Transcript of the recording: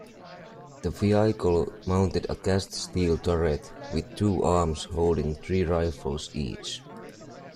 The vehicle mounted a cast steel turret with two arms holding three rifles each.